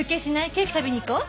ケーキ食べに行こう。